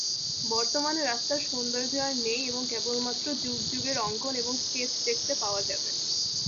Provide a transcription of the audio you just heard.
বর্তমানে রাস্তার সৌন্দর্য আর নেই এবং কেবলমাত্র যুগ যুগের অঙ্কন এবং স্কেচ দেখতে পাওয়া যাবে।